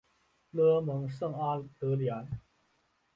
勒蒙圣阿德里安。